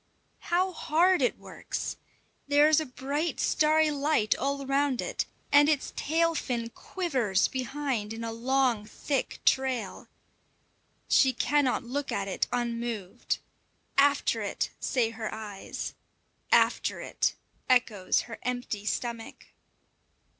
How hard it works! there is a bright starry light all round it, and its tail fin quivers behind in a long thick trail. She cannot look at it unmoved. "After it!" say her eyes; "after it!" echoes her empty stomach.